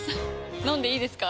飲んでいいですか？